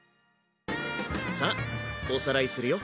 さあおさらいするよ。